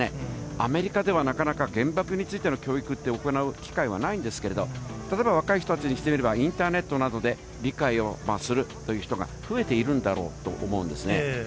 アメリカではなかなか原爆についての教育って、行う機会はないんですけれども、例えば若い人たちにしてみれば、インターネットなどで理解をするという人が増えているんだろうと思うんですね。